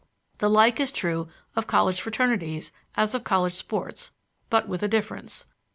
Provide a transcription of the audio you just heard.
The like is true of college fraternities as of college sports, but with a difference.